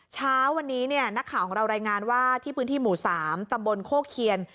เช้าวันนี้นักข่าวของเรารายงานว่าที่พื้นที่หมู่๓ตำบลโคเคียน